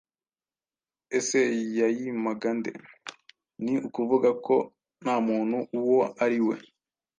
Ese yayimaga nde? Ni ukuvuga ko nta muntu uwo ari we